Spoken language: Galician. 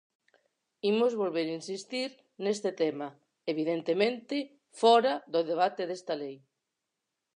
Imos volver insistir neste tema, evidentemente, fóra do debate desta lei.